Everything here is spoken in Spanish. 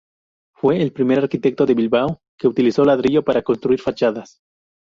Fue el primer arquitecto de Bilbao que utilizó ladrillo para construir fachadas.